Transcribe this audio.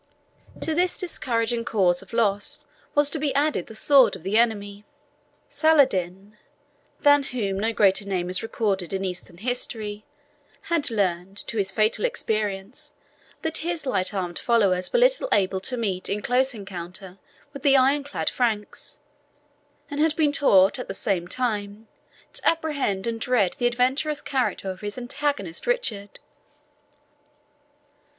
To these discouraging causes of loss was to be added the sword of the enemy. Saladin, than whom no greater name is recorded in Eastern history, had learned, to his fatal experience, that his light armed followers were little able to meet in close encounter with the iron clad Franks, and had been taught, at the same time, to apprehend and dread the adventurous character of his antagonist Richard.